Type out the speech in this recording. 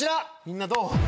みんなどう？